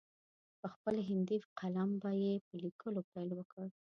په خپل هندي قلم به یې په لیکلو پیل وکړ.